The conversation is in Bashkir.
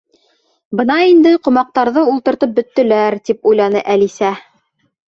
—Бына инде ҡомаҡтарҙы ултыртып бөттөләр, —тип уйланы Әлисә.